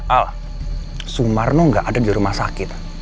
al semarno gak ada di rumah sakit